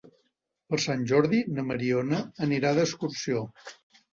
Per Sant Jordi na Mariona anirà d'excursió.